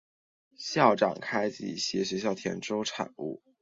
校长开济携学校田洲产物契券赴后方后不知所踪。